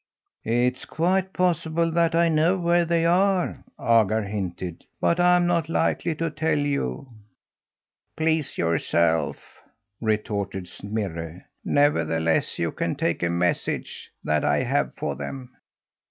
"It's quite possible that I know where they are," Agar hinted, "but I'm not likely to tell you!" "Please yourself!" retorted Smirre. "Nevertheless, you can take a message that I have for them.